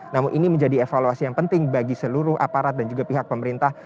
namun ini menjadi evaluasi yang penting bagi seluruh aparat dan juga pihak pemerintah